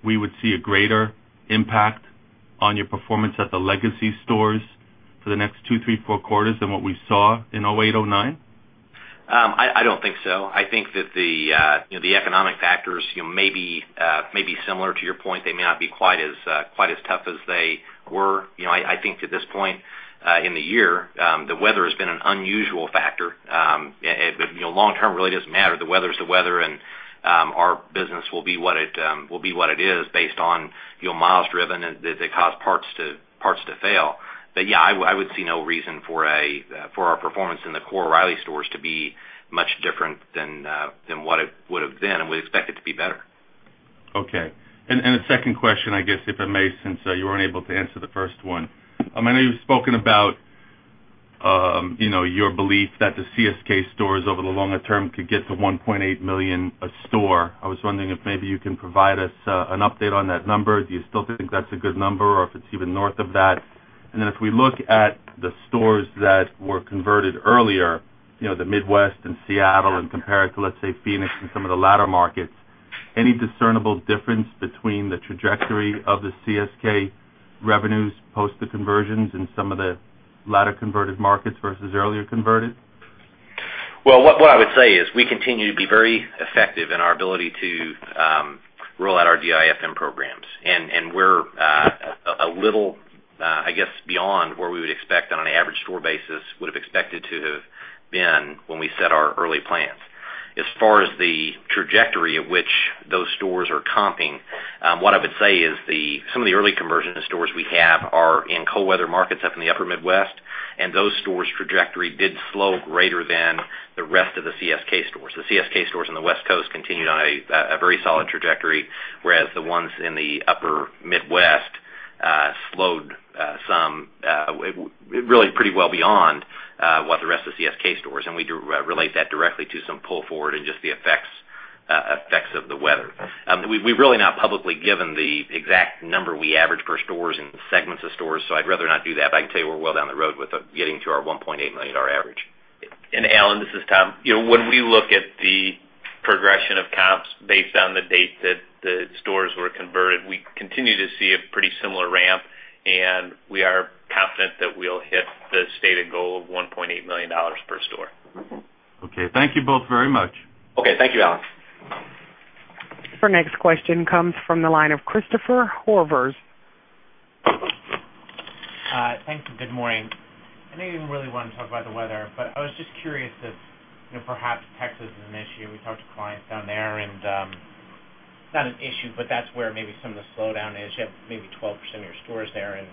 we would see a greater impact on your performance at the legacy stores for the next two, three, four quarters than what we saw in 2008, 2009? I don't think so. I think that the economic factors may be similar to your point. They may not be quite as tough as they were. I think to this point in the year, the weather has been an unusual factor. Long term, it really doesn't matter. The weather's the weather, and our business will be what it is based on miles driven that cause parts to fail. Yeah, I would see no reason for our performance in the core O'Reilly stores to be much different than what it would have been, and we expect it to be better. A second question, I guess, if I may, since you weren't able to answer the first one. I know you've spoken about your belief that the CSK stores over the longer term could get to $1.8 million a store. I was wondering if maybe you can provide us an update on that number. Do you still think that's a good number or if it's even north of that? If we look at the stores that were converted earlier, the Midwest and Seattle and compare it to, let's say, Phoenix and some of the latter markets, any discernible difference between the trajectory of the CSK revenues post the conversions in some of the latter converted markets versus earlier converted? Well, what I would say is we continue to be very effective in our ability to roll out our DIFM programs. We're a little, I guess, beyond where we would expect on an average store basis would have expected to have been when we set our early plans. As far as the trajectory of which those stores are comping, what I would say is some of the early conversion stores we have are in cold weather markets up in the Upper Midwest, and those stores' trajectory did slow greater than the rest of the CSK stores. The CSK stores on the West Coast continued on a very solid trajectory, whereas the ones in the Upper Midwest slowed some, really pretty well beyond what the rest of the CSK stores. We relate that directly to some pull forward and just the effects of the weather. We've really not publicly given the exact number we average per stores and segments of stores, so I'd rather not do that, but I can tell you we're well down the road with getting to our $1.8 million average. Alan, this is Tom. When we look at the progression of comps based on the date that the stores were converted, we continue to see a pretty similar ramp, and we are confident that we'll hit the stated goal of $1.8 million per store. Okay. Thank you both very much. Okay. Thank you, Alan. Our next question comes from the line of Christopher Horvers. Thanks, good morning. I know you didn't really want to talk about the weather, but I was just curious if perhaps Texas is an issue. We talked to clients down there, and it's not an issue, but that's where maybe some of the slowdown is. You have maybe 12% of your stores there. In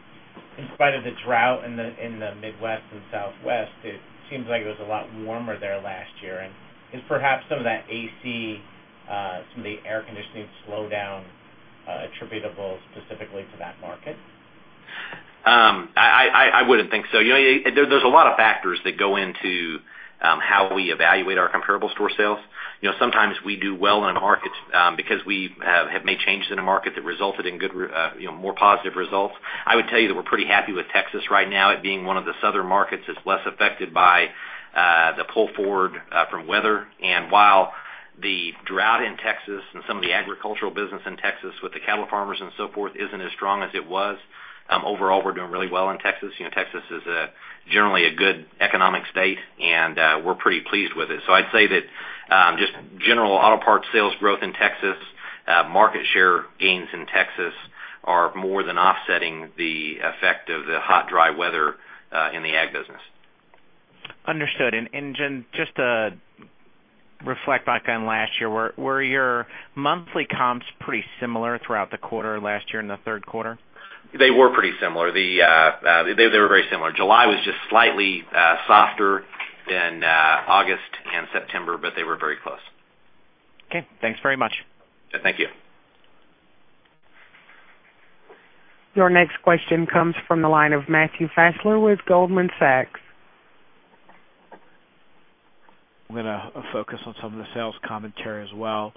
spite of the drought in the Midwest and Southwest, it seems like it was a lot warmer there last year. Is perhaps some of that AC, some of the air conditioning slowdown attributable specifically to that market? I wouldn't think so. There's a lot of factors that go into how we evaluate our comparable store sales. Sometimes we do well in a market because we have made changes in a market that resulted in more positive results. I would tell you that we're pretty happy with Texas right now. It being one of the southern markets, it's less affected by the pull forward from weather. While the drought in Texas and some of the agricultural business in Texas with the cattle farmers and so forth isn't as strong as it was, overall, we're doing really well in Texas. Texas is generally a good economic state, and we're pretty pleased with it. I'd say that just general auto parts sales growth in Texas, market share gains in Texas are more than offsetting the effect of the hot, dry weather in the ag business. Understood. Jen, just to reflect back on last year, were your monthly comps pretty similar throughout the quarter last year in the third quarter? They were pretty similar. They were very similar. July was just slightly softer than August and September, but they were very close. Okay. Thanks very much. Thank you. Your next question comes from the line of Matthew Fassler with Goldman Sachs. I'm going to focus on some of the sales commentary as well.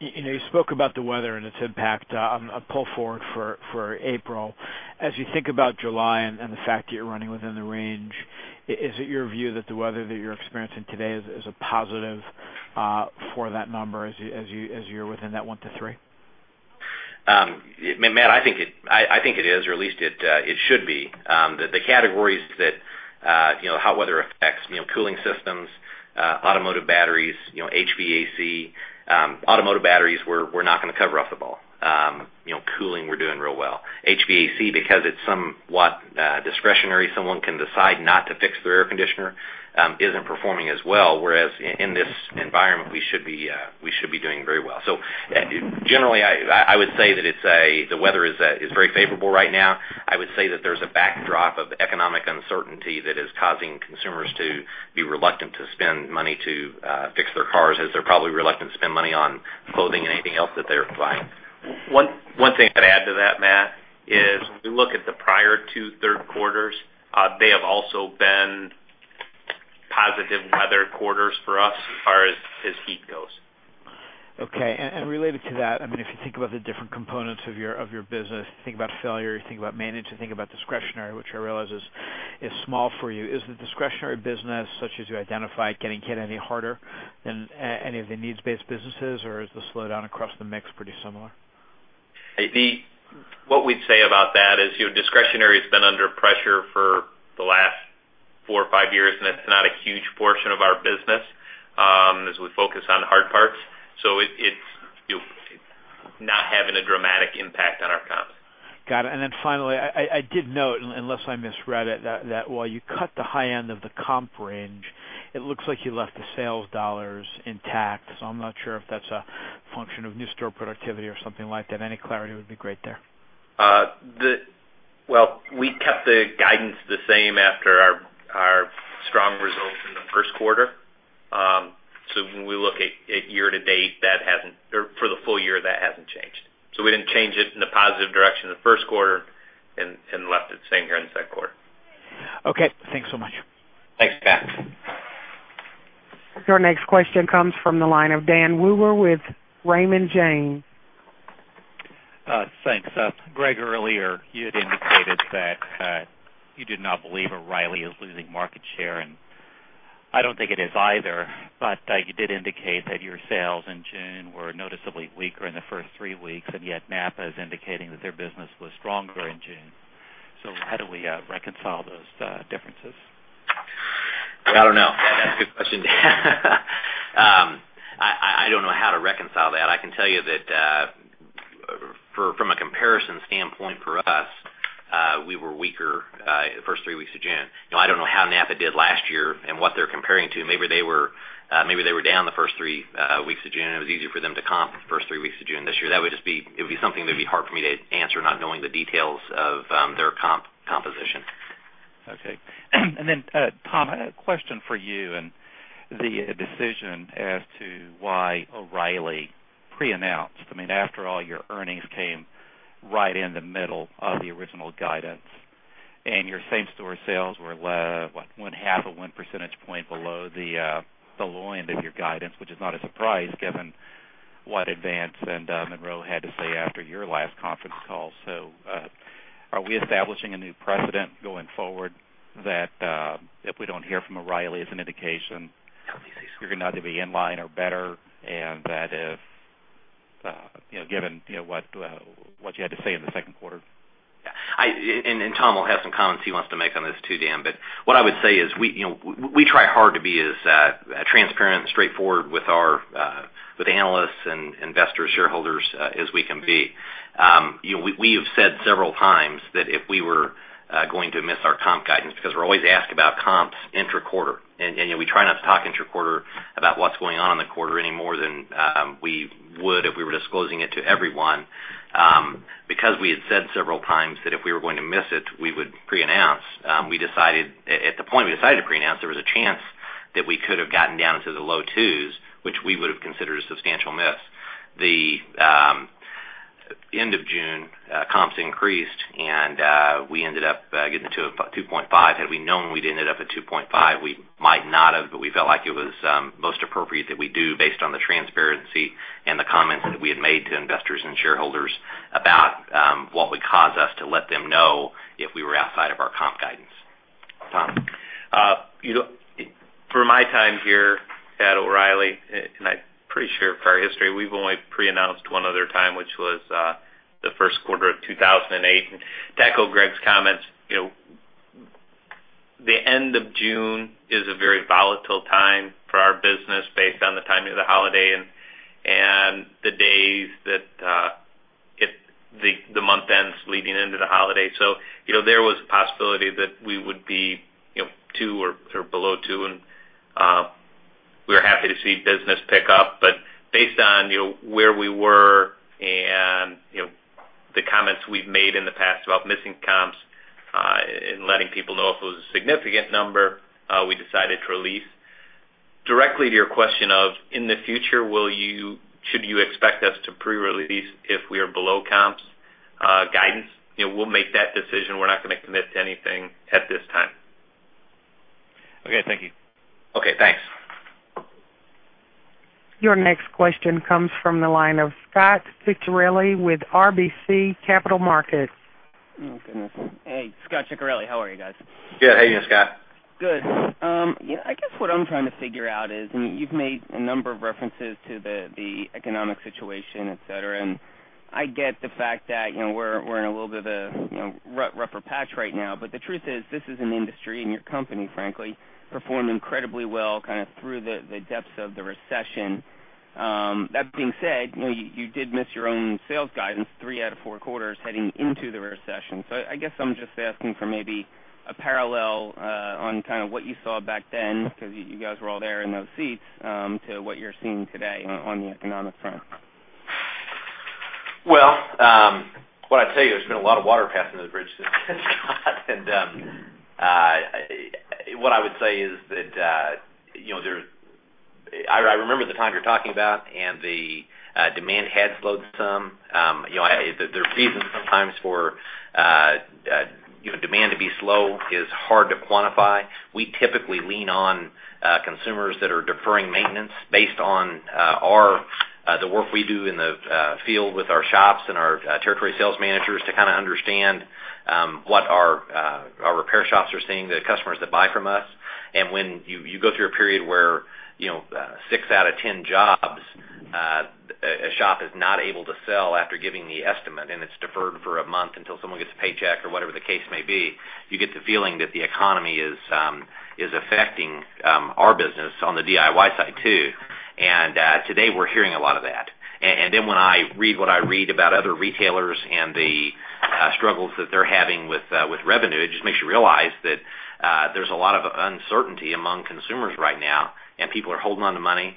You spoke about the weather and its impact on pull forward for April. As you think about July and the fact that you're running within the range, is it your view that the weather that you're experiencing today is a positive for that number as you're within that one to three? Matt, I think it is, or at least it should be. The categories that hot weather affects, cooling systems, automotive batteries, HVAC. Automotive batteries, we're not going to cover off the ball. Cooling, we're doing real well. HVAC, because it's somewhat discretionary, someone can decide not to fix their air conditioner, isn't performing as well, whereas in this environment, we should be doing very well. Generally, I would say that the weather is very favorable right now. I would say that there's a backdrop of economic uncertainty that is causing consumers to be reluctant to spend money to fix their cars, as they're probably reluctant to spend money on clothing and anything else that they're buying. One thing I'd add to that, Matt, is if we look at the prior two third quarters, they have also been positive weather quarters for us as far as heat goes. Okay. Related to that, if you think about the different components of your business, you think about failure, you think about manage, you think about discretionary, which I realize is small for you. Is the discretionary business, such as you identified, getting any harder than any of the needs-based businesses, or is the slowdown across the mix pretty similar? What we'd say about that is discretionary has been under pressure for the last four or five years, and it's not a huge portion of our business as we focus on hard parts. It's not having a dramatic impact on our comps. Got it. Finally, I did note, unless I misread it, that while you cut the high end of the comp range, it looks like you left the sales dollars intact. I'm not sure if that's a function of new store productivity or something like that. Any clarity would be great there. Well, we kept the guidance the same after our strong results in the first quarter. When we look at year to date or for the full year, that hasn't changed. We didn't change it in a positive direction in the first quarter and left it the same here in the second quarter. Okay. Thanks so much. Thanks, Matt. Your next question comes from the line of Dan Wewer with Raymond James. Thanks. Greg, earlier you had indicated that you did not believe O’Reilly is losing market share, and I don't think it is either, but you did indicate that your sales in June were noticeably weaker in the first three weeks, and yet NAPA is indicating that their business was stronger in June. How do we reconcile those differences? I don't know. That's a good question, Dan. I don't know how to reconcile that. I can tell you that from a comparison standpoint for us, we were weaker the first three weeks of June. I don't know how NAPA did last year and what they're comparing to. Maybe they were down the first three weeks of June, and it was easier for them to comp the first three weeks of June this year. It would be something that'd be hard for me to answer, not knowing the details of their comp composition. Okay. Tom, a question for you and the decision as to why O’Reilly pre-announced. After all, your earnings came right in the middle of the original guidance, and your same-store sales were one half of one percentage point below the low end of your guidance, which is not a surprise given what Advance and Monroe had to say after your last conference call. Are we establishing a new precedent going forward that if we don't hear from O’Reilly, it's an indication you're going to either be in line or better, and that if, given what you had to say in the second quarter? Yeah. Tom will have some comments he wants to make on this too, Dan. What I would say is we try hard to be as transparent and straightforward with analysts and investor shareholders as we can be. We have said several times that if we were going to miss our comp guidance, because we're always asked about comps intra-quarter, and we try not to talk intra-quarter about what's going on in the quarter any more than we would if we were disclosing it to everyone. We had said several times that if we were going to miss it, we would pre-announce. At the point we decided to pre-announce, there was a chance that we could have gotten down into the low 2s, which we would've considered a substantial miss. The end of June comps increased, and we ended up getting to 2.5. Had we known we'd ended up at 2.5, we might not have, but we felt like it was most appropriate that we do based on the transparency and the comments that we had made to investors and shareholders about what would cause us to let them know if we were outside of our comp guidance. Tom. For my time here at O'Reilly, and I'm pretty sure for our history, we've only pre-announced one other time, which was the first quarter of 2008. To echo Greg's comments, the end of June is a very volatile time for our business based on the timing of the holiday and the days that the month ends leading into the holiday. There was a possibility that we would be two or below two, and we were happy to see business pick up, based on where we were and the comments we've made in the past about missing comps, and letting people know if it was a significant number, we decided to release. Directly to your question of, in the future, should you expect us to pre-release if we are below comps guidance? We'll make that decision. We're not going to commit to anything at this time. Okay. Thank you. Okay, thanks. Your next question comes from the line of Scot Ciccarelli with RBC Capital Markets. Oh, goodness. Hey, Scot Ciccarelli. How are you guys? Good. How are you, Scot? Good. I guess what I'm trying to figure out is, you've made a number of references to the economic situation, et cetera, and I get the fact that we're in a little bit of a rougher patch right now. The truth is this is an industry and your company, frankly, performed incredibly well through the depths of the recession. That being said, you did miss your own sales guidance three out of four quarters heading into the recession. I guess I'm just asking for maybe a parallel on what you saw back then, because you guys were all there in those seats, to what you're seeing today on the economic front. Well, what I'd tell you, there's been a lot of water passing those bridges since. What I would say is that I remember the time you're talking about, the demand had slowed some. The reason sometimes for demand to be slow is hard to quantify. We typically lean on consumers that are deferring maintenance based on the work we do in the field with our shops and our territory sales managers to understand what our repair shops are seeing, the customers that buy from us. When you go through a period where six out of 10 jobs, a shop is not able to sell after giving the estimate, and it's deferred for a month until someone gets a paycheck or whatever the case may be, you get the feeling that the economy is affecting our business on the DIY side, too. Today, we're hearing a lot of that. When I read what I read about other retailers and the struggles that they're having with revenue, it just makes you realize that there's a lot of uncertainty among consumers right now, and people are holding on to money.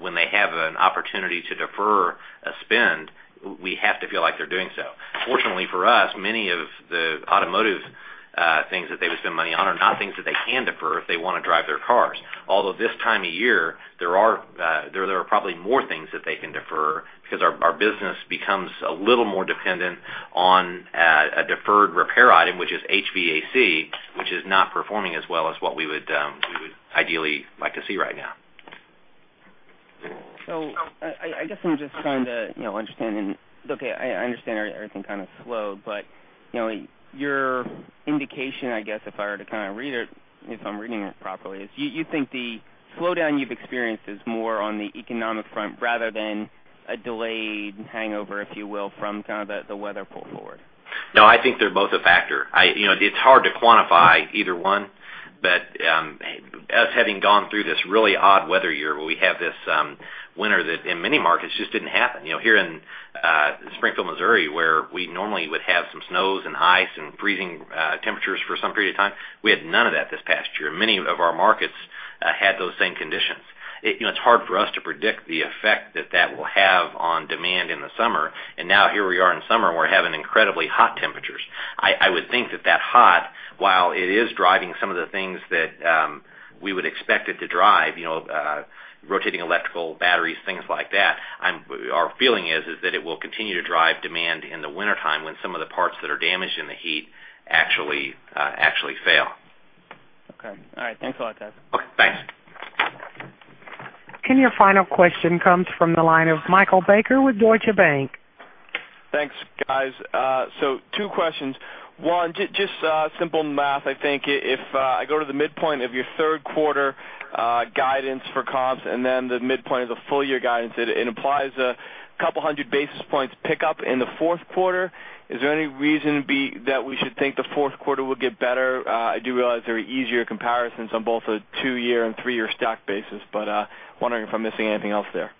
When they have an opportunity to defer a spend, we have to feel like they're doing so. Fortunately for us, many of the automotive things that they would spend money on are not things that they can defer if they want to drive their cars. Although this time of year, there are probably more things that they can defer because our business becomes a little more dependent on a deferred repair item, which is HVAC, which is not performing as well as what we would ideally like to see right now. I guess I'm just trying to understand, okay, I understand everything kind of slowed, your indication, I guess if I were to read it, if I'm reading it properly, is you think the slowdown you've experienced is more on the economic front rather than a delayed hangover, if you will, from the weather pull forward? No, I think they're both a factor. It's hard to quantify either one. Us having gone through this really odd weather year where we have this winter that in many markets just didn't happen. Here in Springfield, Missouri, where we normally would have some snows and ice and freezing temperatures for some period of time, we had none of that this past year. Many of our markets had those same conditions. It's hard for us to predict the effect that that will have on demand in the summer. Now here we are in summer, and we're having incredibly hot temperatures. I would think that hot, while it is driving some of the things that we would expect it to drive, rotating electrical batteries, things like that, our feeling is that it will continue to drive demand in the wintertime when some of the parts that are damaged in the heat actually fail. Okay. All right. Thanks a lot, guys. Okay, thanks. Your final question comes from the line of Michael Baker with Deutsche Bank. Thanks, guys. Two questions. One, just simple math. I think if I go to the midpoint of your third quarter guidance for comps and then the midpoint of the full-year guidance, it implies a couple hundred basis points pick up in the fourth quarter. Is there any reason that we should think the fourth quarter will get better? I do realize there are easier comparisons on both a two-year and three-year stack basis, but wondering if I'm missing anything else there.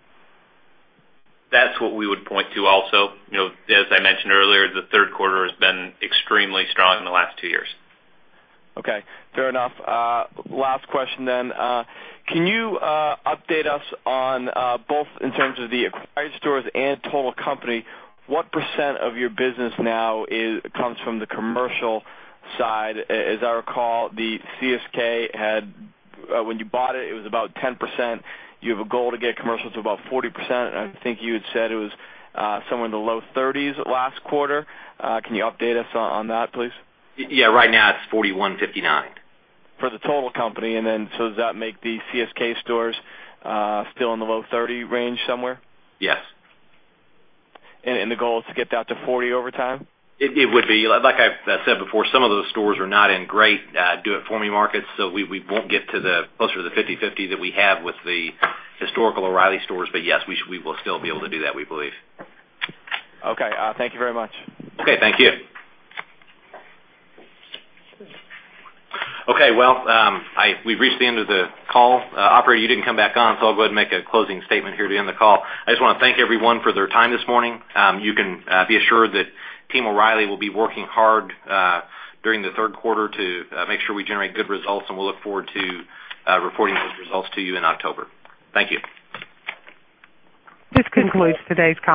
That's what we would point to also. As I mentioned earlier, the third quarter has been extremely strong in the last two years. Okay, fair enough. Last question. Can you update us on both in terms of the acquired stores and total company, what % of your business now comes from the commercial side? As I recall, the CSK had, when you bought it was about 10%. You have a goal to get commercial to about 40%. I think you had said it was somewhere in the low 30s last quarter. Can you update us on that, please? Right now it's 41.59. For the total company. Does that make the CSK stores still in the low 30 range somewhere? Yes. The goal is to get that to 40 over time? It would be. Like I said before, some of those stores are not in great do-it-for-me markets, so we won't get closer to the 50/50 that we have with the historical O’Reilly stores. Yes, we will still be able to do that, we believe. Okay. Thank you very much. Thank you. We've reached the end of the call. Operator, you didn't come back on. I'll go ahead and make a closing statement here to end the call. I just want to thank everyone for their time this morning. You can be assured that Team O’Reilly will be working hard during the third quarter to make sure we generate good results. We'll look forward to reporting those results to you in October. Thank you. This concludes today's conference.